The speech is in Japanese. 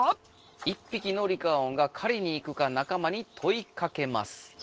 一ぴきのリカオンが狩りに行くかなかまにといかけます。